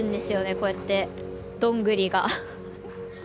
こうやってどんぐりが。